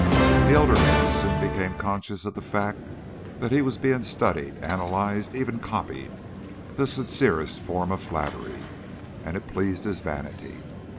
The elder man soon became conscious of the fact that he was being studied, analyzed, even copied the sincerest form of flattery and it pleased his vanity.